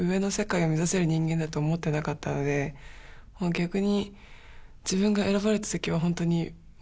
逆に。